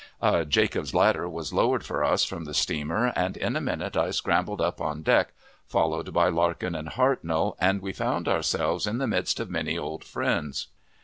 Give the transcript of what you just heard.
A "Jacob's ladder" was lowered for us from the steamer, and in a minute I scrambled up on deck, followed by Larkin and Hartnell, and we found ourselves in the midst of many old friends.